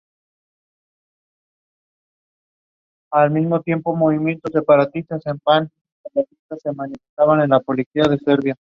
Se abre diariamente y la entrada es gratuita.